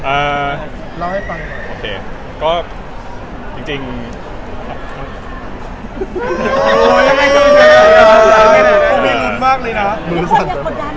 อ่าจริง